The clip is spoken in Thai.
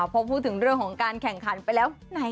พอพูดถึงเรื่องของการแข่งขันไปแล้วไหน